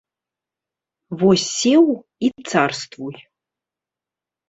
Вось сеў і царствуй.